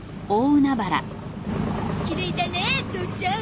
きれいだね父ちゃん！